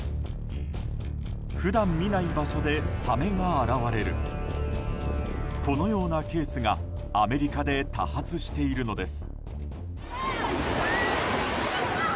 普段見ない場所でサメが現れるこのようなケースがアメリカで多発しているのです。